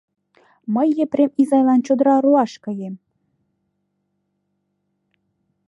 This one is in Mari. Мый Епрем изайлан чодыра руаш каем.